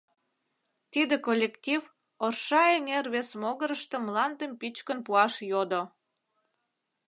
Тиде коллектив Орша эҥер вес могырышто мландым пӱчкын пуаш йодо.